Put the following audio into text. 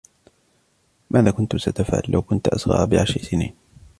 ماذا كنتَ ستفعلُ لو كنت أصغر بعشر سنين؟